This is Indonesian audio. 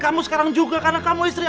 aku sudah selesai